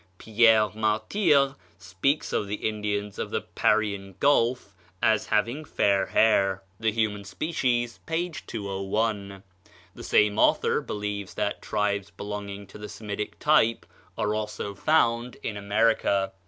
Pierre Martyr speaks of the Indians of the Parian Gulf as having fair hair. ("The Human Species," p. 201.) The same author believes that tribes belonging to the Semitic type are also found in America.